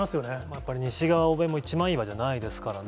やっぱり西側欧米も一枚岩じゃないですからね。